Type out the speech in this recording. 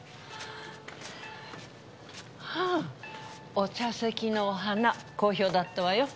ああお茶席のお花好評だったわよ。